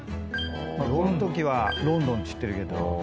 こんときはロンドンって言ってるけど。